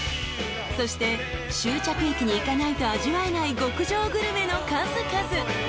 ［そして終着駅に行かないと味わえない極上グルメの数々］